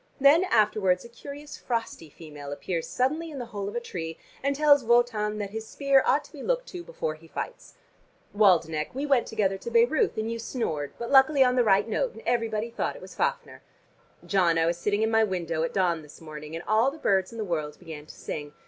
Then afterwards a curious frosty female appears suddenly in the hole of a tree and tells Wotan that his spear ought to be looked to before he fights. Waldenech, we went together to Baireuth, and you snored, but luckily on the right note, and everybody thought it was Fafner. John, I was sitting in my window at dawn this morning, and all the birds in the world began to sing.